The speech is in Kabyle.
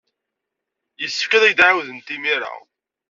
Yessefk ad ak-d-ɛawdent imir-a.